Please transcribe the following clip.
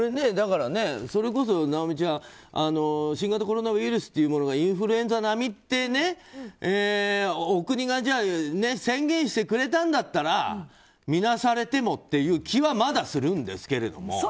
だからね、それこそ尚美ちゃん新型コロナウイルスというものがインフルエンザ並みってお国が宣言してくれたんだったらみなされてもっていう気はまだするんですけれども。